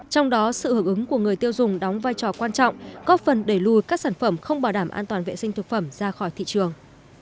trong đó sự hợp ứng của người tiêu dùng đóng vai trò quan trọng góp phần đẩy lùi các sản phẩm không bảo đảm an toàn vệ sinh thực phẩm ra khỏi thị trường